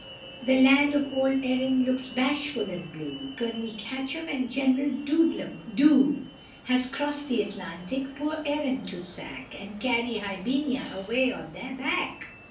The land of old Erin looks bashful and blue, Colonel Catchem and General Doodlem doo, Has crossed the Atlantic, poor Erin to sack, And carry Hibernia away on their back.